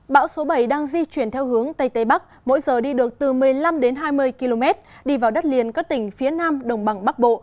bão số bảy đang di chuyển theo hướng tây tây bắc mỗi giờ đi được từ một mươi năm đến hai mươi km đi vào đất liền các tỉnh phía nam đồng bằng bắc bộ